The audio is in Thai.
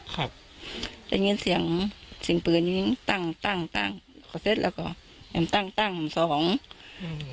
ค่ะได้ยินเสียงเสียงปืนนี้ตั้งตั้งตั้งก็เสร็จแล้วก็ยังตั้งตั้งสองอืม